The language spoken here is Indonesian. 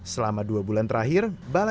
selama dua bulan terakhir